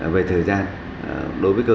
về thời gian đối với cơ quan